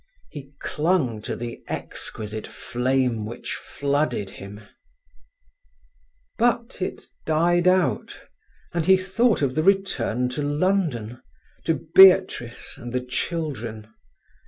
He clung to the exquisite flame which flooded him…. But it died out, and he thought of the return to London, to Beatrice, and the children.